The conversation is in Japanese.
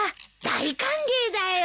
大歓迎だよ。